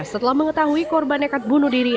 setelah mengetahui korban nekat bunuh diri